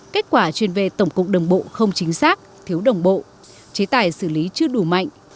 kết quả chuyên về tổng cục đường bộ không chính xác thiếu đồng bộ chế tài xử lý chưa đủ mạnh